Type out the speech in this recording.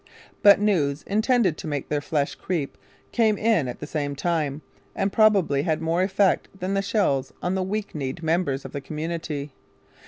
But news intended to make their flesh creep came in at the same time, and probably had more effect than the shells on the weak kneed members of the community.